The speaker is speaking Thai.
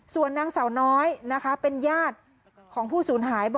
ส่วนนางสาวน้อยนะคะเป็นญาติของผู้สูญหาย